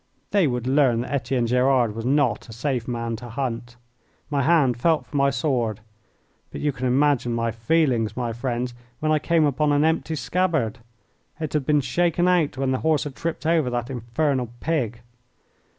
They would learn that Etienne Gerard was not a safe man to hunt. My hand felt for my sword, but you can imagine my feelings, my friends, when I came upon an empty scabbard. It had been shaken out when the horse had tripped over that infernal pig.